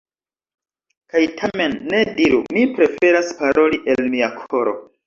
Kaj tamen, ne diru: “Mi preferas paroli el mia koro”.